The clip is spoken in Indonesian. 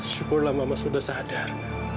syukurlah mama sudah sadar